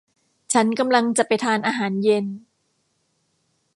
ฉันกำลังจะไปทานอาหารเย็น